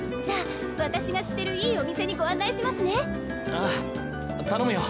ああ頼むよ。